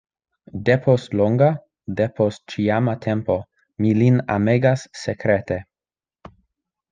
Depost longa, depost ĉiama tempo, mi lin amegas sekrete.